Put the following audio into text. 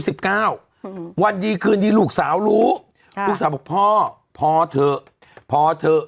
สิบเก้าอืมวันดีคืนดีลูกสาวรู้ค่ะลูกสาวบอกพ่อพอเถอะพอเถอะ